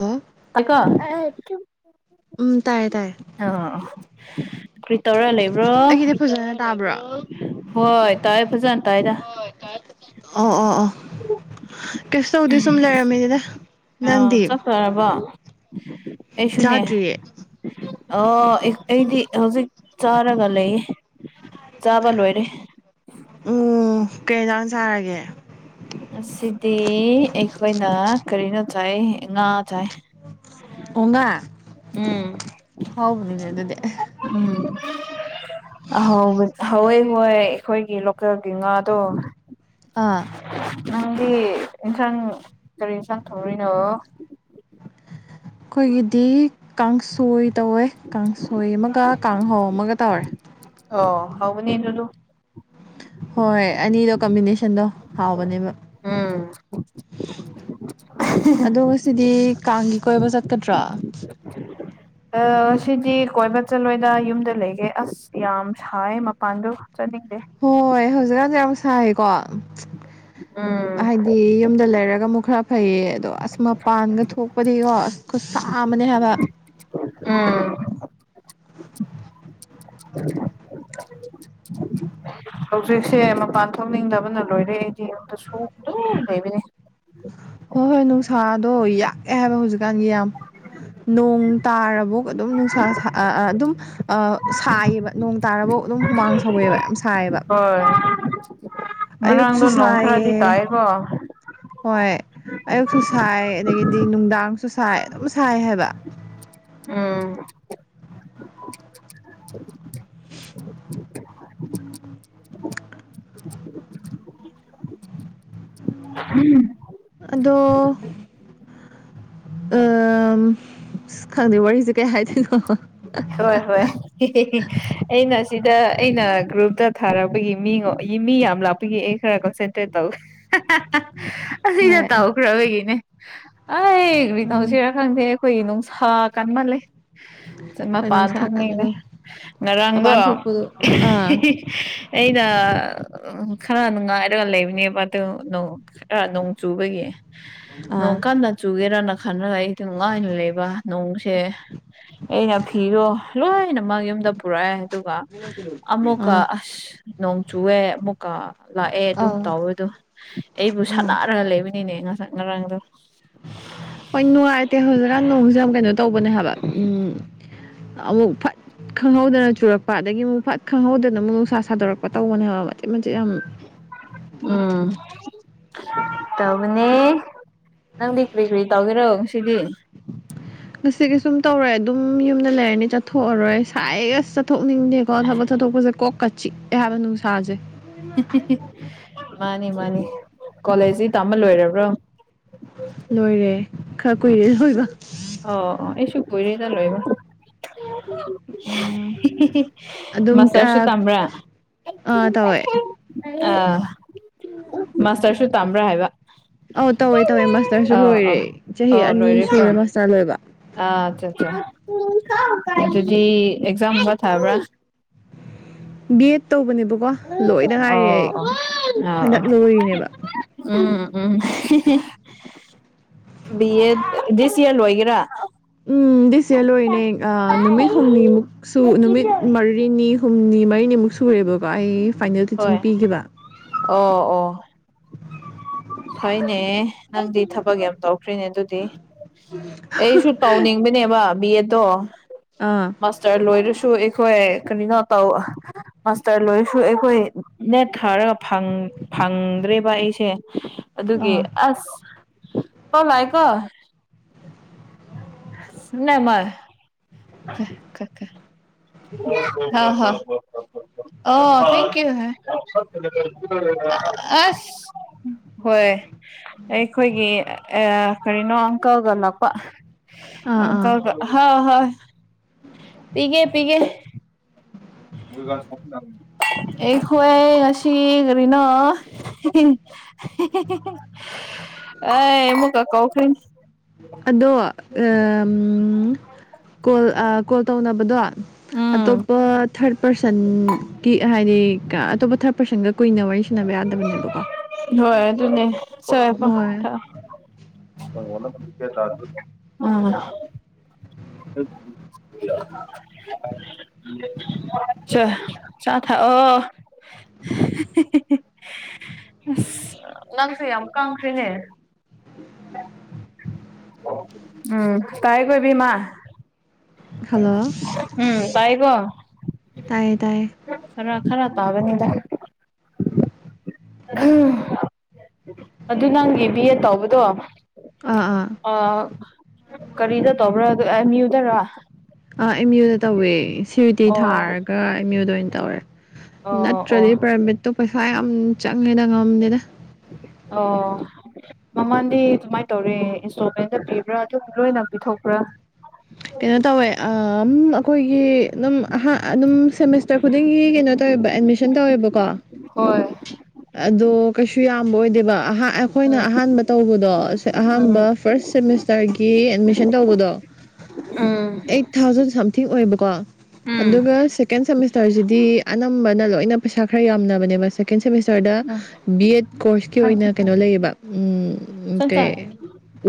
Hello ꯑꯀꯣ ꯎꯝ ꯇꯥꯏꯌꯦ ꯇꯥꯏꯌꯦ ꯑ ꯀꯔꯤ ꯇꯧꯔ ꯂꯩ ꯑꯩꯒꯤꯗꯤ ꯐꯖꯅ ꯇꯥꯕ꯭ꯔꯥ ꯍꯣꯏ ꯇꯥꯏ ꯐꯖꯟ ꯑ ꯑ ꯑ ꯀꯩꯁꯨ ꯇꯧꯗꯦ ꯁꯨꯝ ꯂꯩꯔꯝꯃꯤꯅꯤꯗ ꯅꯪꯗꯤ ꯌꯥꯔꯕꯣ ꯑꯩꯁꯨꯅꯦ ꯆꯥꯗ꯭ꯔꯤꯌꯦ ꯑꯣ ꯑꯩꯗꯤ ꯍꯧꯖꯤꯛ ꯆꯥꯔꯒ ꯂꯩ ꯆꯥꯕ ꯂꯣꯏꯔꯦ ꯎꯝ ꯀꯩꯇ ꯁꯥꯔꯒꯦ ꯑꯁꯤꯗꯤ ꯑꯩꯈꯣꯏꯅ ꯀꯔꯤꯅꯣ ꯆꯥꯏ ꯉꯥ ꯆꯥꯏ ꯑꯣ ꯉ ꯎꯝ ꯍꯥꯎꯕꯅꯤꯅꯦ ꯑꯗꯨꯗꯤ ꯎꯝ ꯑꯍ ꯍꯋꯦ ꯍꯣꯏ ꯑꯩꯈꯣꯏꯒꯤ ꯂꯣꯀꯦꯜꯒꯤ ꯉꯥꯗꯣ ꯑꯥ ꯅꯪꯗꯤ ꯏꯟꯁꯥꯡ ꯀꯔꯤ ꯏꯟꯁꯥꯡ ꯊꯧꯔꯨꯅꯣ ꯑꯩꯈꯣꯏꯒꯤꯗꯤ ꯀꯥꯡꯁꯣꯏ ꯇꯧꯋꯦ ꯀꯥꯡꯁꯣꯏ ꯑꯃꯒ ꯀꯥꯡꯍꯧ ꯑꯃꯒ ꯇꯧꯔꯦ ꯑꯣ ꯍꯥꯎꯕꯅꯤ ꯑꯗꯨꯗꯨ ꯍꯣꯏ ꯑꯅꯤꯗꯣ ꯀꯝꯕꯤꯅꯦꯁꯟꯗꯣ ꯍꯥꯎꯕꯅꯦꯕ ꯎꯝ ꯑꯗꯣ ꯉꯁꯤꯗꯤ ꯀꯥꯡꯒꯤ ꯀꯣꯏꯕ ꯆꯠꯀꯗ꯭ꯔꯣ ꯑ ꯉꯁꯤꯗꯤ ꯀꯣꯏꯕ ꯆꯠꯂꯣꯏꯗ ꯌꯨꯝꯗ ꯂꯩꯒꯦ ꯑꯁ ꯌꯥꯝ ꯁꯥꯏꯌꯦ ꯃꯄꯥꯟꯗꯣ ꯆꯠꯅꯤꯡꯗꯦ ꯍꯣꯏ ꯍꯧꯖꯤꯛꯀꯥꯟꯁꯤ ꯌꯥꯝ ꯁꯥꯏꯀꯣ ꯎꯝ ꯗꯤ [unintelligible] ꯌꯨꯝꯗ ꯂꯩꯔꯒ ꯑꯃꯨꯛ ꯈꯔ ꯐꯩꯌꯦ ꯑꯗꯣ ꯑꯁ ꯃꯄꯥꯟꯒ ꯊꯣꯛꯄꯗꯤꯀꯣ ꯑꯁ ꯈꯨꯠꯁꯥ ꯑꯃꯅꯦ ꯍꯥꯏꯕ ꯎꯝ ꯍꯧꯖꯤꯛꯁꯦ ꯃꯄꯥꯟ ꯊꯣꯛꯅꯤꯡꯗꯕꯅ ꯂꯣꯏꯔꯦ ꯑꯩꯗꯤ ꯌꯨꯝꯗ ꯁꯨꯝ ꯑꯗꯨꯝ ꯂꯩꯕꯅꯤ ꯍꯣꯏ ꯍꯣꯏ ꯅꯨꯡꯁꯥꯗꯣ ꯌꯥꯛꯑꯦ ꯍꯥꯏꯕ ꯍꯧꯖꯤꯛꯀꯥꯟꯒꯤ ꯌꯥꯝ ꯅꯣꯡ ꯇꯥꯔꯕꯣꯛ ꯑꯗꯨꯝ ꯅꯨꯡꯁꯥ ꯁꯥ ꯑ ꯑꯗꯨꯝ ꯑ ꯁꯥꯏꯌꯦꯕ ꯅꯣꯡ ꯇꯥꯔꯐꯥꯎ ꯑꯗꯨꯝ ꯍꯨꯃꯥꯡ ꯁꯧꯋꯦꯕ ꯌꯥꯝ ꯁꯥꯏꯌꯦꯕ ꯍꯣꯏ [inaudible] ꯑꯌꯨꯛꯁꯨ ꯅꯣꯡ ꯈꯔꯗꯤ ꯁꯥꯏꯌꯦ ꯇꯥꯏꯀꯣ ꯍꯣꯏ ꯑꯌꯨꯛꯁꯨ ꯁꯥꯏ ꯑꯗꯒꯤꯗꯤ ꯅꯨꯡꯗꯥꯡꯁꯨ ꯁꯥꯏ ꯑꯗꯨꯝ ꯁꯥꯏ ꯍꯥꯏꯕ ꯎꯝ [unintelligible] [unintelligible] ꯑꯗꯣ ꯑꯝ ꯈꯪꯗꯦ ꯋꯥꯔꯤꯁꯦ ꯀꯩ ꯍꯥꯏꯗꯣꯏꯅꯣ ꯍꯣꯏ ꯍꯣꯏ ꯑꯩꯅ ꯁꯤꯗ ꯑꯩꯅ ꯒ꯭ꯔꯨꯞꯇ ꯊꯥꯔꯛꯄꯒꯤ ꯃꯤ ꯃꯤ ꯌꯥꯝ ꯂꯥꯛꯄꯒꯤ ꯑꯦ ꯈꯔ ꯀꯟꯁꯦꯟꯇ꯭ꯔꯦꯠ ꯇꯧ ꯑꯁꯤꯗ ꯍꯣꯏ ꯇꯧꯈ꯭ꯔꯕꯒꯤꯅꯤ ꯑꯩ ꯀꯔꯤ ꯎꯝ ꯇꯧꯁꯤꯔꯥ ꯈꯪꯗꯦ ꯑꯩꯈꯣꯏꯒꯤ ꯅꯨꯡꯁꯥ ꯀꯟꯃꯜꯂꯦ ꯍꯣꯏ ꯃꯄꯥꯟ ꯅꯨꯡꯁꯥ ꯊꯣꯛꯅꯤꯡꯉꯤ ꯀꯟꯕꯗꯣ ꯉꯔꯥꯡꯗꯣ ꯃꯄꯥꯟ ꯊꯣꯛꯄꯗꯣ ꯑꯥ ꯑꯩꯅ ꯈꯔ ꯅꯨꯡꯉꯥꯏꯔꯒ ꯂꯩꯕꯅꯦꯕ ꯈꯔ ꯅꯣꯡ ꯆꯨꯕꯒꯤ ꯅꯣꯡ ꯑꯥ ꯀꯟꯅ ꯆꯨꯒꯦꯔꯅ ꯈꯜꯂꯒ ꯑꯩꯗꯤ ꯅꯨꯡꯉꯥꯏꯅ ꯂꯩꯕ ꯅꯣꯡꯁꯦ ꯑꯩꯅ ꯐꯤꯗꯣ ꯂꯣꯏꯅꯃꯛ ꯌꯨꯝꯗ ꯄꯨꯔꯛꯑꯦ ꯑꯗꯨꯒ ꯑꯥ ꯑꯃꯨꯛꯀ ꯑꯁ ꯅꯣꯡ ꯆꯨꯑꯦ ꯑꯃꯨꯛ ꯑ ꯂꯥꯛꯑꯦ ꯑꯗꯨꯝ ꯑꯥ ꯇꯧꯋꯦꯗꯣ ꯑꯩꯕꯨ ꯎꯝ ꯁꯥꯟꯅꯥꯔꯒ ꯂꯩꯕꯅꯤꯅꯦ ꯉꯁꯥꯏ ꯉꯔꯥꯡꯗ ꯍꯣꯏ ꯅꯨꯡꯉꯥꯏꯇꯦ ꯍꯧꯖꯤꯛꯀꯥꯟ ꯅꯣꯡꯁꯦ ꯌꯥꯝ ꯀꯩꯅꯣ ꯇꯧꯕꯅꯦ ꯍꯥꯏꯕ ꯎꯝ ꯑꯃꯨꯛ ꯐꯠ ꯈꯪꯍꯧꯗꯅ ꯆꯨꯔꯛꯄ ꯑꯗꯒꯤ ꯑꯃꯨꯛ ꯐꯠ ꯈꯪꯍꯧꯗꯅ ꯑꯃꯨꯛ ꯅꯨꯡꯁꯥ ꯁꯥꯗꯣꯔꯛꯄ ꯇꯧꯕꯅꯦꯍꯕ ꯃꯆꯤꯠ ꯃꯆꯤꯠ ꯌꯥꯝ ꯎꯝ ꯇꯧꯕꯅꯦ ꯅꯪꯗꯤ ꯀ꯭ꯔꯤ ꯀ꯭ꯔꯤ ꯇꯧꯒꯦꯔꯣ ꯉꯁꯤꯗꯤ [inaudible] ꯉꯁꯤꯒꯤ ꯁꯨꯝ ꯇꯧꯔꯦ ꯑꯗꯨꯝ ꯌꯨꯝꯗ ꯂꯩꯔꯅꯤ ꯆꯠꯊꯣꯛꯑꯔꯣꯏ ꯁꯥꯏꯌꯦ ꯑꯁ ꯆꯠꯊꯣꯛꯅꯤꯡꯗꯦꯀꯣ ꯊꯕꯛ ꯆꯠꯊꯣꯛꯄꯁꯦ ꯀꯣꯛꯀ ꯆꯤꯛꯑꯦ ꯍꯥꯏꯕ ꯅꯨꯡꯁꯥꯖꯦ ꯃꯥꯅꯤ ꯃꯥꯅꯤ ꯀꯣꯂꯦꯖꯁꯤ ꯇꯥꯃ ꯂꯣꯏꯔꯕ꯭ꯔꯣ ꯂꯣꯏꯔꯦ ꯈꯔ ꯀꯨꯏꯔꯦ ꯂꯣꯏꯕ ꯑꯣ ꯑꯣ ꯑꯩꯁꯨ ꯀꯨꯏꯔꯦꯗ ꯂꯣꯏꯕ ꯎꯝ [unintelligible] ꯃꯁꯇꯔꯁꯨ ꯇꯝꯕ꯭ꯔꯥ ꯑꯪ ꯇꯧꯋꯦ ꯑꯥ ꯃꯥꯁꯇꯔꯁꯨ ꯇꯝꯕ꯭ꯔꯥ ꯍꯥꯏꯕ ꯑꯧ ꯇꯧꯋꯦ ꯇꯧꯋꯦ ꯃꯥꯁꯇꯔꯁꯨ ꯑꯥ ꯑꯥ ꯂꯣꯏꯔꯦ ꯆꯍꯤ ꯑꯅꯤ ꯁꯨꯔꯦ ꯃꯥꯁꯇꯔ ꯂꯣꯏꯕ ꯑ ꯑꯆꯥ ꯑꯆꯥ ꯑꯗꯨꯗꯤ ꯑꯦꯛꯖꯥꯝꯒꯨꯕ ꯊꯥꯕ꯭ꯔꯥ ꯕꯤ ꯑꯦꯗ ꯇꯧꯕꯅꯦꯕꯀꯣ ꯂꯣꯏꯗ ꯉꯥꯏꯔꯤ ꯑꯣ ꯑꯩ ꯑꯣ ꯑꯥ ꯍꯟꯗꯛ ꯑꯥ ꯂꯣꯏꯔꯤꯅꯦꯕ ꯎꯝ ꯎꯝ ꯕꯤ ꯑꯦꯗ ꯗꯤꯁ ꯏꯌ꯭ꯔ ꯂꯣꯏꯒꯦꯔꯥ ꯎꯝ ꯗꯤꯁ ꯏꯌ꯭ꯔ ꯂꯣꯏꯔꯤꯅꯦ ꯑꯥ ꯅꯨꯃꯤꯠ ꯍꯨꯝꯅꯤꯃꯨꯛꯁꯨ ꯅꯨꯃꯤꯠ ꯃꯔꯤ ꯅꯤꯅꯤ ꯍꯨꯝꯅꯤ ꯃꯔꯤꯅꯤꯃꯨꯛ ꯁꯨꯔꯦꯕꯀꯣ ꯑꯩ ꯐꯥꯏꯅꯦꯜ ꯇꯤꯆꯤꯡ ꯍꯣꯏ ꯄꯤꯈꯤꯕ ꯑꯣ ꯑꯣ ꯐꯩꯅꯦ ꯅꯪꯗꯤ ꯊꯕꯛ ꯌꯥꯝ ꯇꯧꯈ꯭ꯔꯦꯅꯦ ꯑꯗꯨꯗꯤ ꯑꯩꯁꯨ ꯇꯧꯅꯤꯡꯕꯅꯦꯕ ꯕꯤ ꯑꯦꯠꯇꯣ ꯑꯥ ꯇꯔ ꯂꯣꯏꯔꯁꯨ ꯑꯩꯈꯣꯏ ꯀꯔꯤꯅꯣ ꯇꯧ ꯃꯥꯁꯇꯔ ꯂꯣꯏꯔꯁꯨ ꯑꯩꯈꯣꯏ ꯅꯦꯠ ꯊꯥꯔꯒ ꯐꯪ ꯐꯪꯗ꯭ꯔꯤꯕ ꯑꯩꯁꯤ ꯑꯗꯨꯒꯤ ꯑꯥ ꯑꯁ ꯀꯣ ꯂꯥꯏꯀꯣ ꯁꯨꯅꯦꯃꯜ [unintelligible] ꯍꯥꯎ ꯍꯥꯎ ꯑꯣ ꯊꯦꯡꯀ꯭ꯌꯨ [unintelligible] ꯑꯁ ꯍꯣꯏ ꯑꯩꯈꯣꯏꯒꯤ ꯑ ꯀꯔꯤꯅꯣ ꯑꯪꯀꯜꯒ ꯂꯥꯛꯄ ꯑꯥ ꯑꯥ ꯑꯪꯀꯜꯒ ꯍꯥꯎ ꯍꯥꯎ ꯄꯤꯒꯦ ꯄꯤꯒꯦ [unintelligible] ꯑꯩꯈꯣꯏ ꯁꯤ ꯀꯔꯤꯅꯣ [unintelligible] ꯑꯏ ꯑꯃꯨꯛꯀ ꯀꯥꯎꯈ꯭ꯔꯦꯅꯦ ꯑꯗꯣ ꯑꯝ ꯀꯣꯜ ꯑ ꯀꯣꯜ ꯇꯧꯅꯕꯗꯣ ꯎꯝ ꯑꯇꯣꯞꯄꯠ ꯊꯔꯠ ꯄꯔꯁꯟ ꯀꯤ ꯍꯥꯏꯗꯤ ꯑꯇꯣꯞꯄ ꯊꯔꯠ ꯄꯔꯁꯟꯒ ꯀꯨꯏꯅ ꯋꯥꯔꯤ ꯁꯅꯕ ꯌꯥꯗꯕꯅꯦꯕꯀꯣ ꯍꯣꯏ ꯑꯗꯨꯅꯦ ꯁꯦ ꯍꯣꯏ [unintelligible] ꯃꯥꯡꯒꯣꯟꯗ ꯐꯧꯗꯣꯛꯀꯦ ꯑꯆꯥꯔꯖꯨ ꯑ [unintelligible] ꯆ ꯆꯥ ꯊꯛꯑꯣ ꯑꯁ ꯅꯪꯁꯦ ꯌꯥꯝ ꯀꯪꯈ꯭ꯔꯦꯅꯦ ꯎꯝ ꯇꯥꯏꯌꯦꯀꯣ ꯏꯕꯦꯝꯃ ꯍꯜꯂꯣ ꯎꯝ ꯇꯥꯏꯀꯣ ꯇꯥꯏꯌꯦ ꯇꯥꯏꯌꯦ ꯈꯔ ꯈꯔ ꯇꯥꯒꯅꯤꯗ [unintelligible] ꯑꯗꯨ ꯅꯪꯒꯤ ꯕꯤ ꯑꯦꯠ ꯇꯧꯕꯗꯣ ꯑꯥ ꯑꯥ ꯑ ꯀꯔꯤꯗ ꯇꯧꯕ꯭ꯔꯥ ꯑꯗꯨ ꯃꯦꯝꯌꯨꯗꯔ ꯑꯥ ꯑꯦꯝ ꯌꯨꯗ ꯇꯧꯋꯦ ꯁꯤ ꯌꯨ ꯏ ꯇꯤ ꯑꯣ ꯊꯥꯔꯒ ꯑꯦꯝ ꯌꯨꯗ ꯑꯣꯏꯅ ꯇꯧꯔꯦ ꯑꯣ ꯑꯣ ꯅꯠꯇ꯭ꯔꯗꯤ ꯄ꯭ꯔꯥꯏꯕꯦꯠꯇꯣ ꯄꯩꯁꯥ ꯌꯥꯝ ꯆꯪꯉꯦꯗ ꯉꯝꯗꯦꯗ ꯑꯣ ꯃꯃꯥꯟꯗꯤ ꯗꯨꯃꯥꯏꯅ ꯇꯧꯔꯦ ꯏꯟꯁꯇꯣꯜꯃꯦꯟꯗ ꯄꯤꯕ꯭ꯔꯥ ꯑꯗꯨꯝ ꯂꯣꯏꯅ ꯄꯤꯊꯣꯛꯄ꯭ꯔꯥ ꯀꯩꯅꯣ ꯇꯧꯋꯦ ꯑꯝ ꯑꯩꯈꯣꯏꯒꯤ ꯑꯗꯨꯝ ꯑꯍꯥ ꯑꯗꯨꯝ ꯁꯦꯃꯤꯁꯇꯔ ꯈꯨꯗꯤꯡꯒꯤ ꯀꯩꯅꯣ ꯇꯧꯋꯦꯕ ꯑꯦꯠꯃꯤꯁꯟ ꯇꯧꯋꯦꯕꯀꯣ ꯍꯣꯏ ꯑꯗꯣ ꯀꯩꯁꯨ ꯌꯥꯝꯕ ꯑꯣꯏꯗꯦꯕ ꯑꯍꯥ ꯑꯩꯈꯣꯏꯅ ꯎꯝ ꯑꯍꯥꯟꯕ ꯇꯧꯕꯗꯣ ꯑꯁ ꯎꯝ ꯑꯍꯥꯟꯕ ꯐꯥꯔ꯭ꯁ ꯁꯦꯃꯤꯁꯇꯔꯒꯤ ꯑꯦꯠꯃꯤꯁꯟ ꯇꯧꯕꯗꯣ ꯎꯝ ꯑꯩꯠ ꯊꯥꯎꯖꯟ ꯁꯝꯊꯤꯡ ꯑꯣꯏꯕꯀꯣ ꯎꯝ ꯑꯗꯨꯒ ꯁꯦꯀꯦꯟ ꯁꯦꯃꯤꯁꯇꯔꯁꯤꯗꯤ ꯑꯅꯝꯕꯅ ꯂꯣꯏꯅ ꯄꯩꯁꯥ ꯈꯔ ꯌꯥꯝꯅꯕꯅꯦꯕ ꯁꯦꯀꯦꯟ ꯁꯦꯃꯤꯁꯇꯔꯗ ꯕꯤ ꯑꯦꯗ ꯀꯣꯔꯁꯀꯤ ꯑꯣꯏꯅ ꯀꯩꯅꯣ ꯂꯩꯌꯦꯕ ꯀꯩ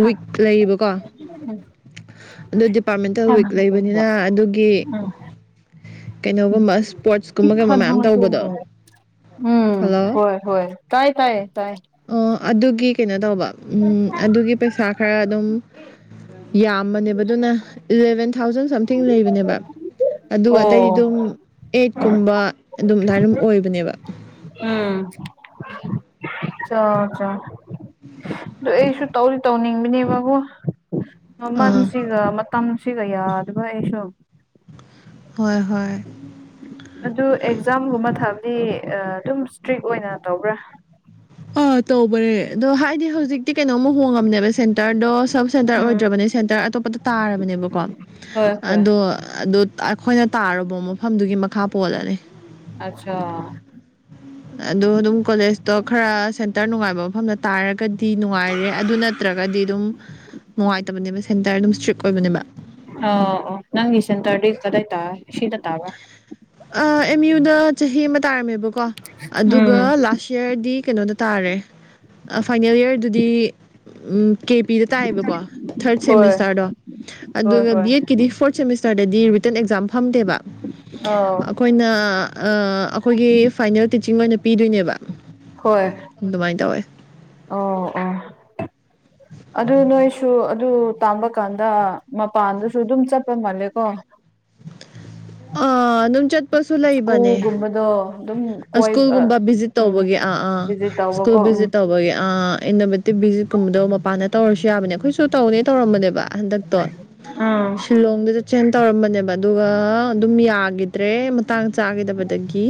ꯋꯤꯛ ꯂꯩꯌꯦꯕꯀꯣ [inaudible] ꯑꯗꯨ ꯗꯤꯄꯥꯔꯠꯃꯦꯟꯇꯦꯜ ꯋꯤꯛ ꯎꯝ ꯂꯩꯕꯅꯤꯅ ꯑꯗꯨꯒꯤ ꯎꯝ ꯀꯩꯅꯣꯒꯨꯝꯕ ꯏꯁꯄꯣꯔꯠꯁ ꯀꯨꯝꯕ ꯀꯩꯒꯨꯝꯕ ꯃꯌꯥꯝ ꯇꯧꯕꯗꯣ ꯈꯟꯍꯧꯗꯣꯏꯅꯦ ꯎꯝ ꯍꯜꯂꯣ ꯍꯣꯏ ꯍꯣꯏ ꯇꯥꯏ ꯇꯥꯏ ꯇꯥꯏꯌꯦ ꯑꯣ ꯑꯗꯨꯒꯤ ꯀꯩꯅꯣ ꯇꯧꯕ ꯎꯝ ꯑꯗꯨꯒꯤ ꯄꯩꯁꯥ ꯈꯔ ꯑꯗꯨꯝ ꯌꯥꯝꯕꯅꯦꯕ ꯑꯗꯨꯅ ꯏꯂꯚꯦꯟ ꯊꯥꯎꯖꯟ ꯁꯝꯊꯤꯡ ꯂꯩꯕꯅꯦꯕ ꯑꯗꯨꯒ ꯑꯇꯩꯗꯤ ꯑꯣ ꯑꯗꯨꯝ ꯑꯩꯠ ꯀꯨꯝꯕ ꯑꯗꯨꯝ ꯑꯗꯥꯏ ꯑꯗꯨꯝ ꯑꯣꯏꯕꯅꯦꯕ ꯎꯝ [inaudible] ꯆ ꯆ ꯑꯗꯨ ꯑꯩꯁꯨ ꯇꯧꯗꯤ ꯇꯧꯅꯤꯡꯕꯅꯦꯕꯕꯨ ꯑꯥ ꯃꯃꯜꯁꯤꯒ ꯃꯇꯝꯁꯤꯒ ꯌꯥꯗꯕ ꯑꯩꯁꯨ ꯍꯣꯏ ꯍꯣꯏ ꯑꯗꯨ ꯑꯦꯛꯖꯥꯝꯒꯨꯝꯕ ꯊꯕꯗꯤ ꯑꯗꯨꯝ ꯏꯁꯇ꯭ꯔꯤꯛ ꯑꯣꯏꯅ ꯇꯧꯕ꯭ꯔꯥ ꯑꯥ ꯇꯧꯕꯅꯦ ꯑꯗꯣ ꯍꯥꯏꯗꯤ ꯍꯧꯖꯤꯛꯇꯤ ꯀꯩꯅꯣꯝ ꯍꯣꯡꯉꯝꯅꯦ ꯁꯦꯟꯇꯔꯗꯣ ꯁꯕ ꯁꯦꯟꯇꯔ ꯎꯝ ꯑꯣꯏꯗ꯭ꯔꯕꯅꯦ ꯁꯦꯟꯇꯔ ꯑꯇꯣꯞꯄꯗ ꯇꯥꯔꯕꯅꯦꯕꯀꯣ ꯍꯣꯏ ꯍꯣꯏ ꯑꯗꯣ ꯑꯗꯨ ꯑꯩꯈꯣꯏꯅ ꯇꯥꯔꯨꯕ ꯃꯐꯝꯗꯨꯒꯤ ꯃꯈꯥ ꯄꯣꯜꯂꯅꯤ ꯑꯆꯥꯥ ꯑꯗꯣ ꯑꯗꯨꯝ ꯀꯣꯂꯦꯖꯇꯣ ꯈꯔ ꯁꯦꯟꯇꯔ ꯅꯨꯡꯉꯥꯏꯕ ꯃꯐꯝꯗ ꯇꯥꯔꯒꯗꯤ ꯅꯨꯡꯉꯥꯏꯔꯦ ꯑꯗꯨꯅ ꯅꯠꯇ꯭ꯔꯒꯗꯤ ꯑꯗꯨꯝ ꯅꯨꯡꯉꯥꯏꯇꯕꯅꯦꯕ ꯁꯦꯟꯇꯔ ꯑꯗꯨꯝ ꯏꯁꯇ꯭ꯔꯤꯛ ꯑꯣꯏꯕꯅꯦꯕ ꯑ ꯑꯣ ꯅꯪꯒꯤ ꯁꯦꯟꯇꯔꯗꯤ ꯀꯗꯥꯏ ꯇꯥꯏ ꯁꯤꯗ ꯇꯥꯕ꯭ꯔꯥ ꯑꯦꯝ ꯌꯨꯗ ꯆꯍꯤ ꯑꯃ ꯇꯥꯔꯝꯃꯦꯕꯀꯣ ꯑꯗꯨꯒ ꯎꯝ ꯂꯥꯁ ꯌꯔꯗꯤ ꯀꯩꯅꯣꯗ ꯇꯥꯔꯦ ꯐꯥꯏꯅꯦꯜ ꯏꯌꯥꯔꯗꯨꯗꯤ ꯀꯦ ꯄꯤꯗ ꯇꯥꯏꯑꯌꯦꯕꯀꯣ ꯊꯔꯠ ꯍꯣꯏ ꯁꯦꯃꯤꯁꯇꯔꯗꯣ ꯍꯣꯏ ꯑꯗꯨꯒ ꯍꯣꯏ ꯕꯤ ꯑꯦꯠ ꯀꯤꯗꯤ ꯐꯣꯔꯠ ꯁꯦꯃꯤꯁꯇꯔꯗꯗꯤ ꯔꯤꯇꯟ ꯑꯦꯛꯖꯥꯝ ꯐꯝꯗꯦꯕ [unintelligible] ꯑꯩꯈꯣꯏꯅ ꯑꯩꯈꯣꯏꯒꯤ ꯐꯥꯏꯅꯦꯜ ꯇꯤꯆꯤꯡ ꯑꯣꯏꯅ ꯄꯤꯗꯣꯏꯅꯦꯕ ꯍꯣꯏ ꯑꯗꯨꯃꯥꯏꯅ ꯇꯧꯋꯦ ꯑꯣ ꯑꯣ ꯑꯗꯨ ꯅꯣꯏꯁꯨ ꯑꯗꯨ ꯇꯥꯝꯕ ꯀꯥꯟꯗ ꯃꯄꯥꯟꯗꯁꯨ ꯑꯗꯨꯝ ꯆꯠꯄ ꯃꯥꯜꯂꯦꯀꯣ ꯑ ꯁ꯭ꯀꯨꯜꯒꯨꯝꯕꯗꯣ ꯑꯗꯨꯝ ꯀꯣꯏ ꯁ꯭ꯀꯨꯜꯒꯨꯝꯕ ꯚꯤꯖꯤꯠ ꯎꯝ ꯇꯧꯕꯒꯤ ꯑꯥ ꯑꯥ ꯚꯤꯖꯤꯠ ꯁ꯭ꯀꯨꯜ ꯇꯧꯕꯀꯣ ꯎꯝ ꯚꯤꯖꯤꯠ ꯇꯧꯕꯒꯤ ꯑꯥ ꯇꯤ ꯚꯤꯖꯤꯠꯀꯨꯝꯕꯗꯣ ꯃꯄꯥꯟꯗ ꯇꯧꯔꯁꯨ ꯌꯥꯕꯅꯦ ꯑꯩꯈꯣꯏꯁꯨ ꯇꯧꯅꯦ ꯇꯧꯔꯝꯕꯅꯦꯕ ꯍꯟꯗꯛꯇꯣ ꯎꯝ ꯁꯤꯂꯣꯡꯗ ꯆꯦꯟ ꯇꯧꯔꯝꯕꯅꯦꯕ ꯑꯗꯨꯒ ꯑꯗꯨꯝ ꯌꯥꯈꯤꯗ꯭ꯔꯦ ꯃꯇꯥꯡ ꯆꯥꯈꯤꯗꯕꯗꯒꯤ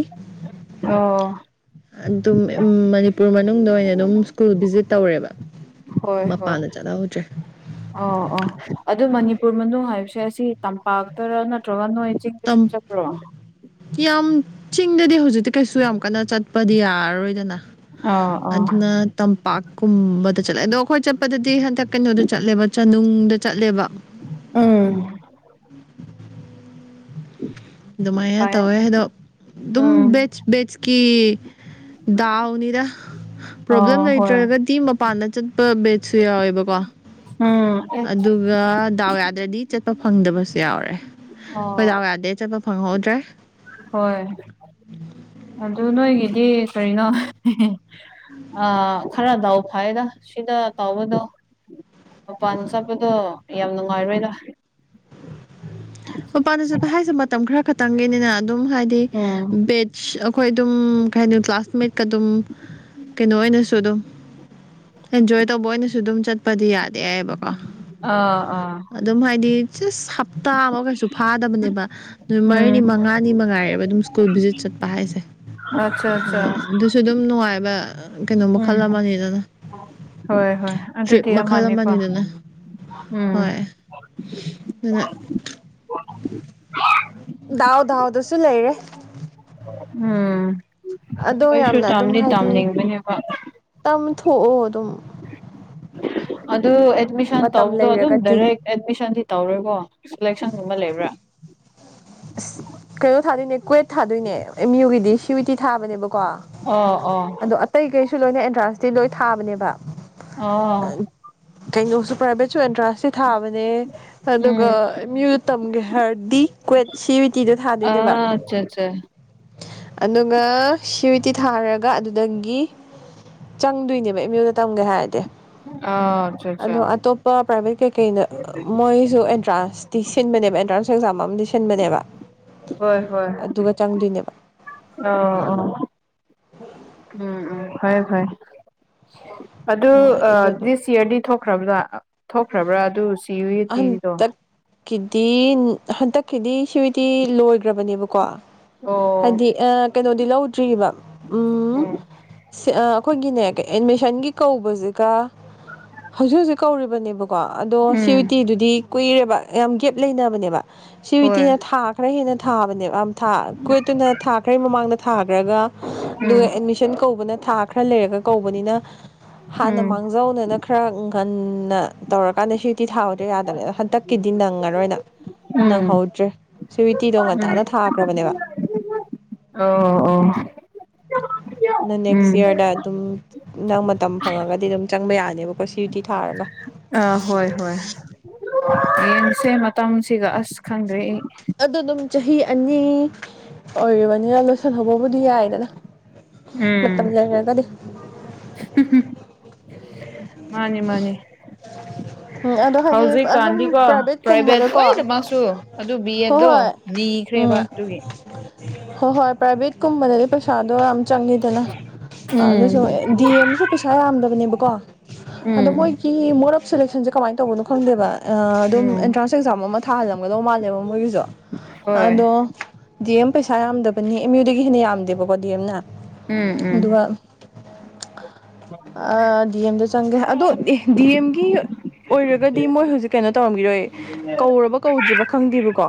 ꯑꯣ ꯑꯗꯨꯝ ꯃꯅꯤꯄꯨꯔ ꯃꯅꯨꯡꯗ ꯑꯣꯏꯅ ꯑꯗꯨꯝ ꯁ꯭ꯀꯨꯜ ꯚꯤꯖꯤꯠ ꯇꯧꯔꯦꯕ ꯍꯣꯏ ꯍꯣꯏ ꯃꯄꯥꯟꯗ ꯆꯠꯍꯧꯗ꯭ꯔꯦ ꯑꯣ ꯑꯣ ꯑꯗꯨ ꯃꯅꯤꯄꯨꯔ ꯃꯅꯨꯡ ꯍꯥꯏꯕꯁꯦ ꯑꯁꯤ ꯇꯝꯄꯥꯛꯇꯔꯥ ꯅꯠꯇ꯭ꯔꯒ ꯅꯣꯏ ꯆꯤꯡ ꯗ ꯁꯨ ꯇꯝ ꯆꯠꯄ꯭ꯔꯣ ꯌꯥꯝ ꯆꯤꯡꯗꯗꯤ ꯍꯧꯖꯤꯛꯇ ꯀꯩꯁꯨ ꯌꯥꯝ ꯀꯟꯅ ꯆꯠꯄꯗꯤ ꯌꯥꯔꯔꯣꯏꯗꯅ ꯑꯥ ꯑꯥ ꯑꯗꯨꯅ ꯇꯝꯄꯥꯛꯀꯨꯝꯕꯗ ꯆꯠꯂꯦ ꯑꯗꯣ ꯑꯩꯈꯣꯏ ꯆꯠꯄꯗꯗꯤ ꯍꯟꯗꯛ ꯀꯩꯅꯣꯗ ꯆꯠꯂꯦꯕ ꯆꯅꯨꯡꯗ ꯆꯠꯂꯦꯕ ꯎꯝ ꯑꯗꯨꯃꯥꯏꯅ ꯐꯩ ꯇꯧꯋꯦ ꯑꯗꯣ ꯑꯗꯨꯝ ꯎꯝ ꯕꯦꯁ ꯕꯦꯁꯀꯤ ꯗꯥꯎꯅꯤꯗ ꯄ꯭ꯔꯣꯕ꯭ꯂꯦꯝ ꯑꯣ ꯍꯣꯏ ꯂꯩꯇ꯭ꯔꯒꯗꯤ ꯄꯥꯟꯅ ꯆꯠꯄ ꯕꯦꯠꯁꯨ ꯌꯥꯎꯋꯦꯕꯀꯣ ꯎꯝ ꯑꯗꯨꯒ ꯗꯥꯎ ꯌꯥꯗ꯭ꯔꯗꯤ ꯆꯠꯄ ꯐꯪꯗꯕꯁꯨ ꯌꯥꯎꯔꯦ ꯍꯣꯏ ꯗꯥꯎ ꯑꯣ ꯌꯥꯗ꯭ꯔꯦ ꯆꯠꯄ ꯐꯪꯍꯧꯗ꯭ꯔꯦ ꯍꯣꯏ ꯑꯗꯨ ꯅꯣꯏꯒꯤꯗꯤ ꯀꯔꯤꯅꯣ [unintelligible] ꯍꯥꯏꯗ ꯁꯤꯗ ꯇꯥꯎꯕꯗꯣ ꯃꯄꯥꯟ ꯆꯠꯄꯗꯣ ꯌꯥꯝ ꯅꯨꯡꯉꯥꯏꯔꯣꯏꯗ ꯃꯄꯥꯅ ꯆꯠꯄ ꯍꯥꯏꯁꯦ ꯃꯇꯝ ꯈꯔ ꯈꯛꯇꯪꯒꯤꯅꯤꯅ ꯑꯗꯨꯝ ꯍꯥꯏꯗꯤ ꯎꯝ ꯕꯦꯠ ꯑ ꯑꯩꯈꯣꯏ ꯑꯗꯨꯝ ꯀꯩ ꯍꯥꯏꯅꯤ ꯀ꯭ꯂꯥꯁꯃꯦꯠꯀ ꯑꯗꯨꯝ ꯀꯩꯅꯣ ꯑꯣꯏꯅꯁꯨ ꯑꯗꯨꯝ ꯑꯦꯟꯖꯣꯏ ꯇꯧꯕ ꯑꯣꯏꯅꯁꯨ ꯑꯗꯨꯝ ꯆꯠꯄꯗꯤ ꯌꯥꯗꯦ ꯍꯥꯏꯏꯕ ꯑꯥ ꯑꯥ ꯑꯗꯨꯝ ꯍꯥꯏꯗꯤ ꯆꯁ ꯍꯞꯇꯥ ꯑꯃ ꯀꯩꯁꯨ ꯁꯨ ꯐꯥꯗꯕꯅꯦꯕ ꯅꯨꯃꯤꯠ ꯎꯝ ꯃꯔꯤꯅꯤ ꯃꯉꯥꯅꯤ ꯃꯉꯥꯏꯔꯦꯕ ꯑꯗꯨꯝ ꯁ꯭ꯀꯨꯜ ꯚꯤꯖꯤꯠ ꯆꯠꯄ ꯍꯥꯏꯁꯦ ꯑꯆꯥ ꯑꯆꯥ ꯑꯗ ꯑꯗꯨꯁꯨ ꯑꯗꯨꯝ ꯅꯨꯡꯉꯥꯏꯕ ꯀꯩꯅꯣ ꯎꯝ ꯃꯈꯜ ꯑꯃꯅꯤꯗꯅ ꯍꯣꯏ ꯍꯣꯏ ꯇ꯭ꯔꯤꯞ ꯑꯗꯨꯗꯤ ꯃꯈꯜ ꯑꯃꯅꯤꯀꯣ ꯎꯝ ꯑꯅ ꯗꯥꯎ ꯗꯥꯎꯗꯁꯨ ꯂꯩꯔꯦ ꯎꯝ ꯑꯗꯣ ꯀꯩꯁꯨ ꯇꯥꯝꯗꯤ ꯇꯥꯝꯅꯤꯡꯕꯅꯦꯕ ꯇꯝꯊꯑꯣ ꯑꯗꯨꯝ ꯑꯗꯨ ꯑꯦꯠꯃꯤꯁꯟ ꯃꯇꯝ ꯇꯧꯕꯗꯣ ꯑꯗꯨꯝ ꯂꯩꯔꯒꯗꯤ ꯗꯥꯏꯔꯦꯛ ꯑꯦꯠꯃꯤꯁꯟꯗꯤ ꯇꯧꯔꯣꯏꯀꯣ ꯁꯂꯦꯛꯁꯟꯒꯨꯝꯕ ꯂꯩꯕ꯭ꯔꯥ ꯑꯁ ꯀꯩꯅꯣ ꯊꯥꯗꯣꯏꯅꯦ ꯀ꯭ꯋꯦꯠ ꯊꯥꯗꯣꯏꯅꯦ ꯑꯦꯝ ꯌꯌꯨꯒꯤꯗꯤ ꯁ꯭ꯋꯤꯇꯤ ꯊꯥꯕꯅꯦꯕꯀꯣ ꯑꯣ ꯑꯣ ꯀꯇꯩ ꯀꯩꯁꯨ ꯂꯣꯏꯅ ꯑꯦꯟꯇ꯭ꯔꯥꯟꯁꯇꯤ ꯂꯣꯏ ꯊꯥꯕꯅꯦꯕ ꯑꯣ ꯀꯩꯅꯣꯁꯨ ꯄ꯭ꯔꯥꯏꯚꯦꯠꯁꯨ ꯑꯦꯟꯇ꯭ꯔꯥꯟꯁꯇꯤ ꯊꯥꯕꯅꯦ ꯑꯗꯨꯒ ꯎꯝ ꯃꯤꯑꯣ ꯇꯝꯒꯦ ꯍꯥꯏꯔꯗꯤ ꯀ꯭ꯋꯦꯠ ꯁꯤ ꯕꯤꯇꯤꯗ ꯊꯥꯗꯣꯏꯅꯦꯕ ꯑꯆꯥ ꯑꯆꯥ ꯑꯗꯨꯒ ꯁꯤꯤꯇꯤ ꯊꯥꯔꯒ ꯑꯗꯨꯗꯒꯤ ꯆꯪꯗꯣꯏꯅꯦꯕ ꯑꯩ ꯃꯤꯑꯣꯌꯗ ꯇꯝꯒꯦ ꯍꯥꯏꯔꯗꯤ ꯑꯆꯥ ꯑꯆꯥ ꯑꯗꯣ ꯑꯇꯣꯞꯄ ꯄ꯭ꯔꯥꯏꯚꯦꯠ ꯀꯩꯀꯩꯗ ꯃꯣꯏꯁꯨ ꯑꯦꯟꯇ꯭ꯔꯥꯟꯁꯇꯤ ꯁꯤꯟꯕꯅꯦꯕ ꯑꯦꯟꯇ꯭ꯔꯥꯟꯁ ꯑꯦꯛꯖꯥꯝ ꯑꯃꯗꯤ ꯁꯤꯟꯕꯅꯦꯕ ꯍꯣꯏ ꯍꯣꯏ ꯑꯗꯨꯒ ꯆꯪꯗꯣꯏꯅꯦꯕ ꯑ ꯑꯣ ꯎꯝ ꯎꯝ ꯐ ꯐ ꯑꯗꯨ ꯍꯣꯏ ꯑꯗꯨ ꯑꯗꯨꯝ ꯗꯤꯁ ꯌꯌꯥꯔꯗꯤ ꯊꯣꯛꯈ꯭ꯔꯕ꯭ꯔꯥ ꯊꯣꯛꯈ꯭ꯔꯕ꯭ꯔꯥ ꯑꯗꯨ ꯌꯨ ꯌꯨ ꯇꯤꯗꯣ ꯍꯟꯗꯛꯀꯤꯗꯤ ꯍꯟꯗꯛꯀꯤꯗꯤ ꯁꯤꯗꯤ ꯂꯣꯏꯈ꯭ꯔꯕꯅꯦꯕꯀꯣ ꯑꯣ ꯍꯥꯏꯗꯤ ꯀꯩꯅꯣꯗꯤ ꯂꯧ ꯇ꯭ꯔꯤꯕ ꯎꯝ ꯑꯩꯈꯣꯏꯒꯤꯅꯦ ꯑꯦꯗꯃꯤꯁꯟꯒꯤ ꯀꯧꯕꯁꯤꯒ ꯍꯧꯖꯤꯛ ꯍꯧꯖꯤꯛ ꯀꯧꯔꯤꯕꯅꯦꯕꯀꯣ ꯑꯗꯣ ꯁꯤ ꯎꯝ ꯑꯗꯨꯗꯤ ꯀꯨꯏꯔꯦꯕ ꯌꯥꯝ ꯒꯦꯞ ꯂꯩꯅꯕꯅꯦꯕ ꯁꯤ ꯍꯧꯖꯤꯛꯇꯤꯅ ꯍꯣꯏ ꯊꯥ ꯈꯔ ꯍꯦꯟꯅ ꯊꯥꯕꯅꯦꯕ ꯊꯥ ꯀꯣꯏꯠꯇꯨꯅ ꯊꯥ ꯈꯔ ꯃꯃꯥꯡꯗ ꯊꯥꯈ꯭ꯔꯒ ꯑꯗꯨꯒ ꯎꯝ ꯑꯦꯠꯃꯤꯁꯟ ꯀꯧꯕꯅ ꯊꯥ ꯈꯔ ꯂꯩꯔꯒ ꯀꯧꯕꯅꯤꯅ ꯍꯥꯟꯅ ꯎꯝ ꯃꯥꯡꯖꯧꯅꯅ ꯈꯔ ꯉꯟꯅ ꯇꯧꯔꯀꯥꯟꯗ ꯁꯤꯛꯇꯤ ꯊꯥꯎꯗ ꯌꯥꯗꯕꯅꯦ ꯑꯗꯣ ꯍꯟꯗꯛꯀꯤꯗꯤ ꯅꯪꯉꯔꯣꯏꯅ ꯎꯝ ꯅꯪꯍꯧꯗ꯭ꯔꯦ ꯁꯤ ꯋꯤꯇꯤꯗꯣ ꯎꯝ ꯉꯟꯇꯥꯅ ꯊꯥꯈ꯭ꯔꯕꯅꯦꯕ ꯑꯣ ꯑꯣ ꯅꯪ ꯎꯝ ꯅꯦꯛꯁ ꯌꯔꯗ ꯑꯗꯨꯝ ꯅꯪ ꯃꯇꯝ ꯐꯪꯉꯒꯗꯤ ꯑꯗꯨꯝ ꯆꯪꯕ ꯌꯥꯅꯦꯕꯀꯣ ꯁꯤꯨꯇꯤ ꯊꯥꯔꯒ ꯑꯥ ꯍꯣꯏ ꯍꯣꯏ ꯌꯦꯡꯁꯦ ꯃꯇꯝꯁꯤꯒ ꯑꯁ ꯈꯪꯗ꯭ꯔꯦ ꯑꯩ ꯑꯗꯨ ꯑꯗꯨꯝ ꯆꯍꯤ ꯑꯅꯤ ꯑꯣꯏꯔꯤꯕꯅꯤꯅ ꯁꯟꯍꯧꯕꯕꯨꯗꯤ ꯌꯥꯏꯗꯅ ꯃꯇꯝ ꯂꯩꯔꯒꯗꯤ꯫ ꯍꯨꯝ ꯍꯨꯝ ꯃꯥꯅꯤ ꯃꯥꯅꯤ꯫ ꯎꯝ ꯑꯗꯨ ꯑꯗꯨ ꯍꯥꯏꯅꯤ ꯑꯗꯨꯝ ꯍꯧꯖꯤꯛꯀꯥꯟꯗꯤꯀꯣ ꯄ꯭ꯔꯥꯏꯚꯦꯠ ꯄ꯭ꯔꯥꯏꯚꯦꯠꯀꯨꯝꯕꯗꯀꯣ ꯂꯣꯏꯅꯃꯛꯁꯨ ꯑꯗꯨ ꯕꯤ ꯍꯣꯏ ꯍꯣꯏ ꯑꯦꯗꯠꯇꯣ ꯎꯝ꯫ ꯅꯤꯈ꯭ꯔꯦꯕ ꯑꯗꯨꯒꯤ ꯍ ꯍꯣꯏ ꯄꯥꯏꯚꯦꯠ ꯀꯨꯝꯕꯗꯗꯤ ꯄꯩ ꯄꯩꯁꯥꯗꯣ ꯌꯥꯝ ꯆꯪꯉꯤꯗꯅ ꯎꯝ ꯑꯗꯨꯁꯨ ꯗꯤ ꯑꯦꯝꯁꯨ ꯄꯩꯁꯥ ꯌꯥꯝꯗꯕꯅꯦꯕꯀꯣ꯫ ꯑꯗꯣ ꯎꯝ ꯃꯣꯏꯒꯤ ꯃꯣꯠ ꯑꯣꯞ ꯁꯦꯂꯦꯛꯁꯟꯁꯦ ꯀꯃꯥꯏꯅ ꯇꯧꯕꯅꯣ ꯈꯪꯗꯦꯕ꯫ ꯑꯗꯨꯝ ꯎꯝ ꯑꯦꯟꯇ꯭ꯔꯥꯟꯁ ꯑꯦꯛꯖꯥꯝ ꯑꯃ ꯊꯥꯍꯜꯂꯝꯒꯗꯧ ꯃꯥꯜꯂꯦꯕ ꯃꯣꯏꯒꯤꯁꯨ ꯍꯣꯏ ꯑꯗꯣ ꯗꯤ ꯑꯦꯝ ꯄꯩꯁꯥ ꯌꯥꯝꯗꯕꯅꯤ ꯃꯤꯑꯣꯏꯗꯒꯤ ꯍꯦꯟꯅ ꯌꯥꯝꯗꯦꯕꯀꯣ ꯗꯤ ꯑꯦꯝꯅ ꯎꯝ ꯎꯝ ꯑꯗꯨꯒ ꯑ [inaudible] ꯗꯤ ꯑꯦꯝ ꯆꯪꯒꯦ ꯑꯗꯣ ꯗꯤ ꯑꯦꯝꯒꯤ ꯑꯣꯏꯔꯒꯗꯤ ꯃꯣꯏ ꯍꯧꯖꯤꯛ ꯀꯩꯅꯣ ꯇꯧꯔꯝꯈꯤꯔꯣꯏ ꯀꯧꯔꯕ ꯀꯧꯗ꯭ꯔꯤꯕ ꯈꯪꯗꯦꯕꯀꯣ